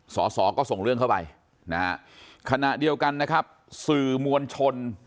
สอสอก็ส่งเรื่องเข้าไปนะฮะขณะเดียวกันนะครับสื่อมวลชน